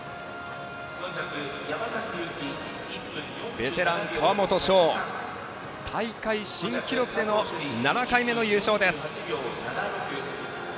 ベテランの川元奨大会新記録での７回目の優勝です。